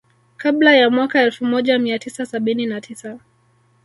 Kabla ya mwaka elfu moja mia tisa sabini na tisa